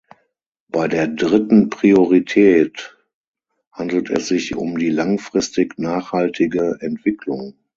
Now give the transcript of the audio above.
Bei der dritten Priorität handelt es sich um die langfristig nachhaltige Entwicklung.